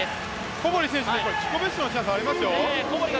小堀選手は自己ベストのチャンスありますよ。